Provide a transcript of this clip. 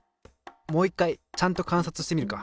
もう一回ちゃんと観察してみるか。